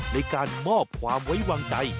ในการมอบความไว้วางใจ